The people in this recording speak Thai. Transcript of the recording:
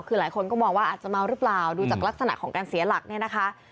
คือหลายคนก็มองว่าอาจจะเมาหรือเปล่าดูจากลักษณะของการเสียหลักเนี่ยนะคะ